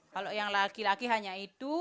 kalau yang laki laki hanya itu